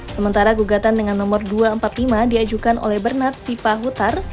sementara gugatan dengan nomor dua ratus empat puluh lima diajukan oleh bernard sipahutar